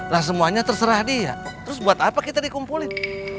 lah semuanya terserah dia terus buat apa kita dikumpulin